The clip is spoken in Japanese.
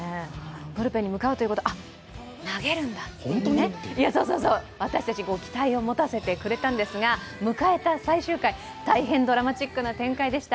ブルペンに向かうということは投げるんだという私たちに期待を持たせてくれたんですが、迎えた最終回、大変ドラマチックな展開でした。